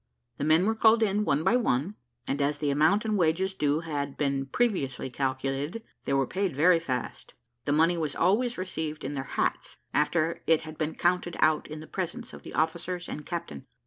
The men were called in, one by one, and as the amount and wages due had been previously calculated, they were paid very fast. The money was always received in their hats, after it had been counted out in the presence of the officers and captain.